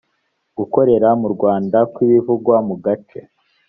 gukorera mu rwanda kw ibivugwa mu gace